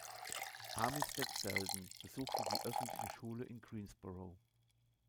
Armistead Selden besuchte die öffentliche Schule in Greensboro.